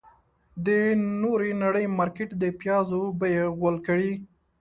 د نورې نړۍ مارکيټ د پيازو بيې غول کړې.